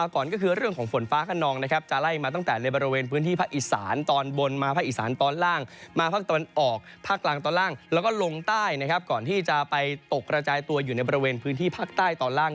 ก่อนที่จะไปตกระจายตัวอยู่ในบริเวณพื้นที่พรรคใต้ตอนล่าง